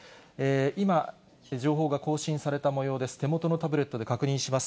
今、情報が更新されたもようです。